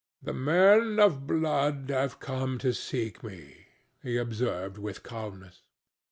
"The men of blood have come to seek me," he observed, with calmness.